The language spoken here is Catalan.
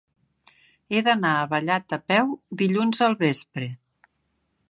He d'anar a Vallat a peu dilluns al vespre.